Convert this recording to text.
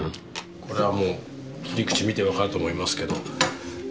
これはもう切り口見て分かると思いますけど全然違うでしょ